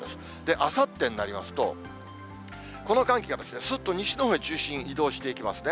あさってになりますと、この寒気がすっと西のほうへ中心、移動していきますね。